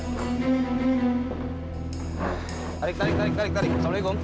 tarik tarik tarik tarik tarik assalamualaikum